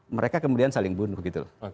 mereka kemudian saling bunuh gitu loh